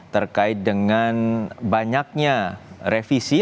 terkait dengan banyaknya revisi